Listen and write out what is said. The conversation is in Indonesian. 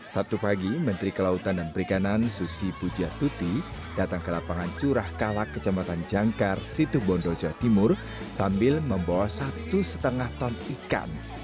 sabtu pagi menteri kelautan dan perikanan susi pujastuti datang ke lapangan curah kalak kecamatan jangkar situbondo jawa timur sambil membawa satu lima ton ikan